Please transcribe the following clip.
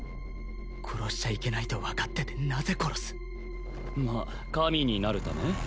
殺しちゃいけないと分かっててなぜ殺すまあ神になるため？